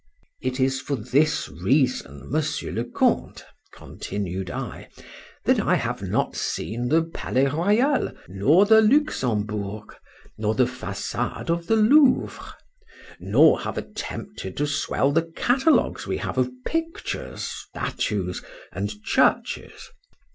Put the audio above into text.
It is for this reason, Monsieur le Count, continued I, that I have not seen the Palais Royal,—nor the Luxembourg,—nor the Façade of the Louvre,—nor have attempted to swell the catalogues we have of pictures, statues, and churches.